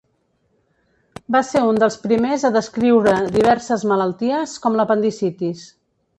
Va ser un dels primers a descriure diverses malalties, com l'apendicitis.